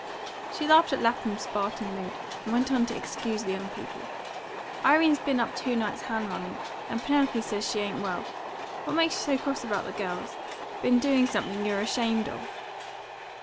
She laughed at Lapham's Spartan mood, and went on to excuse the young people. "Irene's been up two nights hand running, and Penelope says she ain't well. What makes you so cross about the girls? Been doing something you're ashamed of?"